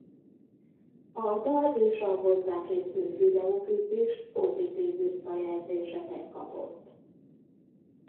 A dal és a hozzá készült videóklip is pozitív visszajelzéseket kapott.